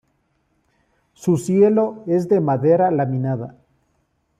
Su cielo es de madera laminada.